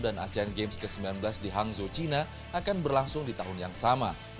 dan asean games ke sembilan belas di hangzhou china akan berlangsung di tahun yang sama